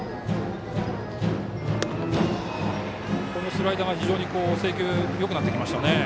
スライダー、非常に制球がよくなってきましたね。